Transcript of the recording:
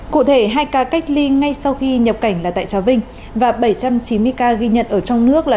cụ thể hai ca cách ly ngay sau khi nhập cảnh là tại trà vinh và bảy trăm chín mươi ca ghi nhận ở trong nước là